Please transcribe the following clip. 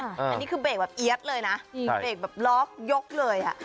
อันนี้คือเบรกแบบเอี๊ยดเลยนะเบรกแบบล็อกยกเลย